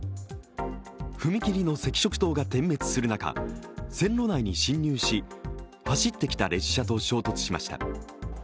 踏切の赤色灯が点滅する中、線路内に進入し走ってきた列車と衝突しました。